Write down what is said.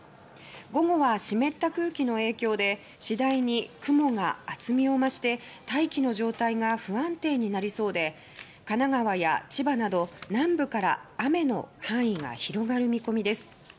午後は、湿った空気の影響で次第に雲が厚みを増して大気の状態が不安定になりそうで神奈川や千葉など南部から雨の範囲が広がる見込みです。